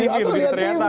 atau lihat di tv